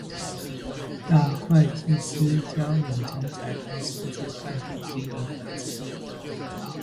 大會計師教你從財報數字看懂經營本質